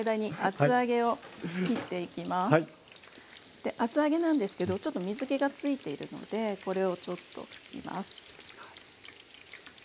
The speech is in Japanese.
で厚揚げなんですけどちょっと水けがついているのでこれをちょっと拭きます。